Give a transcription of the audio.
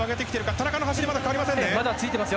田中の走りはまだ変わりませんね。